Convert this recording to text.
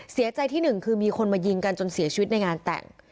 เสียใจที่หนึ่งคือมีคนมายิงกันจนเสียชีวิตในงานแต่ง